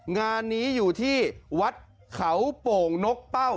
งานนี้อยู่ที่วัดเขาโป่งนกเป้า